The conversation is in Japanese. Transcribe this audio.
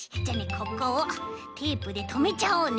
ここをテープでとめちゃおうね。